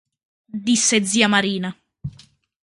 Disse zia Marina.